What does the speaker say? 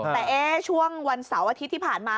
แต่ช่วงวันเสาร์อาทิตย์ที่ผ่านมา